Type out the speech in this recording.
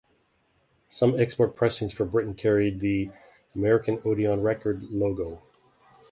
Some export pressings for Britain carried the "American Odeon Record" logo.